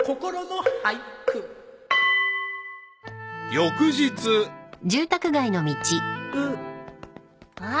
［翌日］あっ。